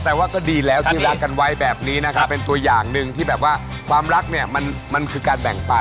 ว่าก็ดีแล้วที่รักกันไว้แบบนี้นะครับเป็นตัวอย่างหนึ่งที่แบบว่าความรักเนี่ยมันคือการแบ่งปัน